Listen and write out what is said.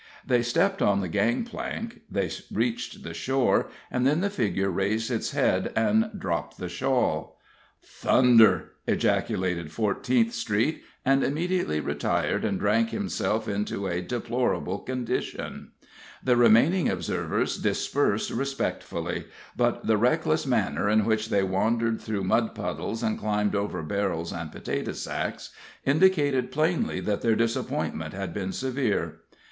They stepped on the gang plank, they reached the shore, and then the figure raised its head and dropped the shawl. "Thunder!" ejaculated Fourteenth Street, and immediately retired and drank himself into a deplorable condition. The remaining observers dispersed respectfully; but the reckless manner in which they wandered through mud puddles and climbed over barrels and potato sacks, indicated plainly that their disappointment had been severe.